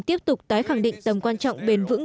tiếp tục tái khẳng định tầm quan trọng bền vững